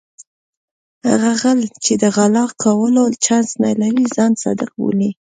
هغه غل چې د غلا کولو چانس نه لري ځان صادق بولي.